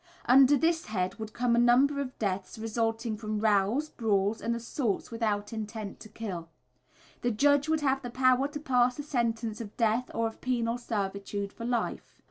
Under this head would come a number of deaths resulting from rows, brawls, and assaults without intent to kill. The judge would have the power to pass a sentence of death or of penal servitude for life.